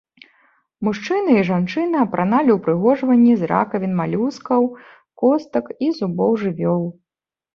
Мужчыны і жанчыны апраналі ўпрыгожванні з ракавін малюскаў, костак і зубоў жывёл.